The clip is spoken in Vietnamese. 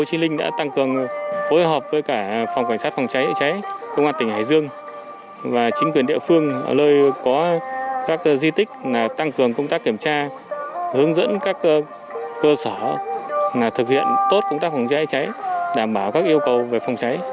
các cơ sở thực hiện tốt công tác phòng cháy chữa cháy đảm bảo các yêu cầu về phòng cháy